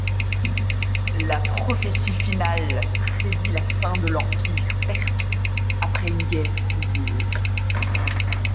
La prophétie finale prédit la fin de l'empire perse après une guerre civile.